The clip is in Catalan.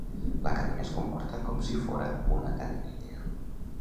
La cadena es comporta com si fora una cadena ideal.